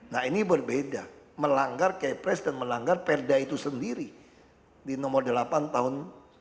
nah ini berbeda melanggar kepres dan melanggar perda itu sendiri di nomor delapan tahun seribu sembilan ratus sembilan puluh lima